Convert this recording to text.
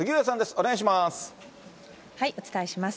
お願いします。